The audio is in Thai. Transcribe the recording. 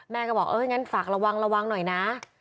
แม่เขาบอกเอออย่างนั้นฝากระวังหน่อยนา